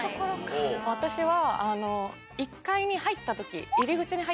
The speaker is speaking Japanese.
私は。